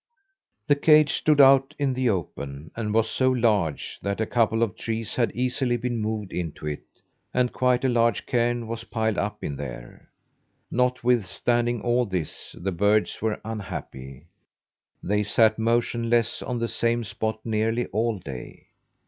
The cage stood out in the open, and was so large that a couple of trees had easily been moved into it, and quite a large cairn was piled up in there. Notwithstanding all this, the birds were unhappy. They sat motionless on the same spot nearly all day.